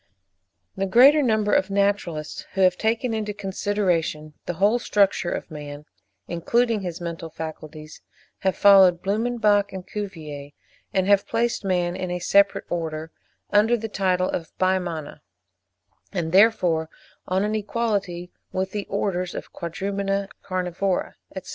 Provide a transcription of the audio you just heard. The greater number of naturalists who have taken into consideration the whole structure of man, including his mental faculties, have followed Blumenbach and Cuvier, and have placed man in a separate Order, under the title of the Bimana, and therefore on an equality with the orders of the Quadrumana, Carnivora, etc.